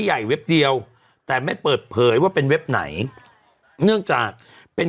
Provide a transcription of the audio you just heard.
เว็บเดียวแต่ไม่เปิดเผยว่าเป็นเว็บไหนเนื่องจากเป็น